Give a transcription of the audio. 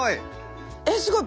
えっすごい。